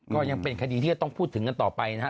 ก็ยังเป็นคดีที่จะต้องพูดถึงกันต่อไปนะฮะ